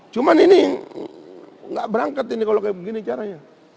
cuman ini gak berangkat ini kalau kayak begini caranya